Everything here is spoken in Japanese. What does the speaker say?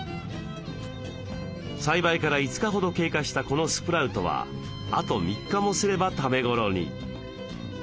栽培から５日ほど経過したこのスプラウトはあと３日もすれば食べごろに。